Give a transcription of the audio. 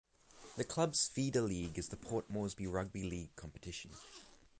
The club's feeder league is the Port Moresby Rugby League competition.